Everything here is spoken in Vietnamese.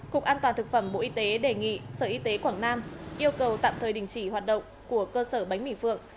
cục an toàn thực phẩm bộ y tế đề nghị sở y tế quảng nam yêu cầu tạm thời đình chỉ hoạt động của cơ sở bánh mì phượng